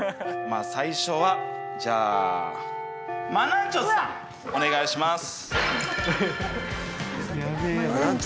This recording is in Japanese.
最初はじゃあまなんちょすさんお願いします。